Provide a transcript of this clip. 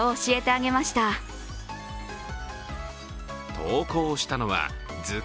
投稿したのは図解